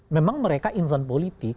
memang mereka insan politik